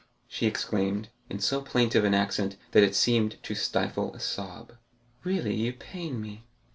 she exclaimed, in so plaintive an accent that it seemed to stifle a sob; "really, you pain me."